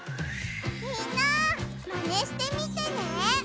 みんな！マネしてみてね！